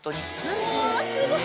うわすごい！